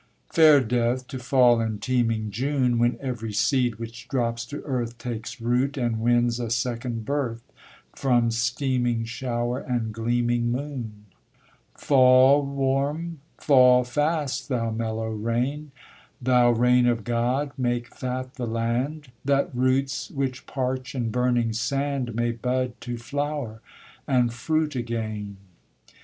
Fair death, to fall in teeming June, When every seed which drops to earth Takes root, and wins a second birth From steaming shower and gleaming moon. Fall warm, fall fast, thou mellow rain; Thou rain of God, make fat the land; That roots which parch in burning sand May bud to flower and fruit again.